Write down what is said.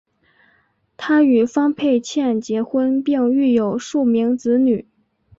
他与方佩倩结婚并育有数名子女。